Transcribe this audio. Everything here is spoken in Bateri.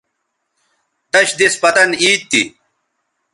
دش دِس پتن عید تھی